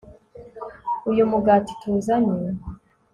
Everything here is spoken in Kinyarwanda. uyu mugati tuzanye